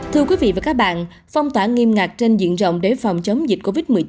thưa quý vị và các bạn phong tỏa nghiêm ngặt trên diện rộng để phòng chống dịch covid một mươi chín